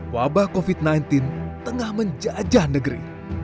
wabah covid sembilan belas tengah menjajah negeri